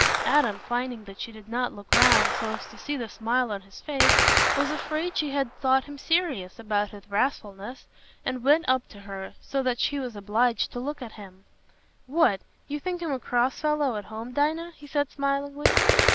Adam, finding that she did not look round so as to see the smile on his face, was afraid she had thought him serious about his wrathfulness, and went up to her, so that she was obliged to look at him. "What! You think I'm a cross fellow at home, Dinah?" he said, smilingly.